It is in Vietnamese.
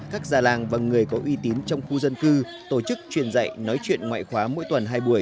các già làng và người có uy tín trong khu dân cư tổ chức truyền dạy nói chuyện ngoại khóa mỗi tuần hai buổi